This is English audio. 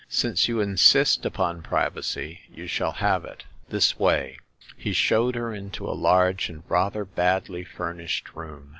" Since you insist upon privacy, you shall have it. This way." He showed her into a large and rather badly furnished room.